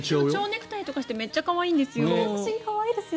蝶ネクタイとかしてめっちゃ可愛いんですよ。